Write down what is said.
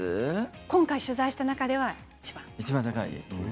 今回取材した中ではいちばん。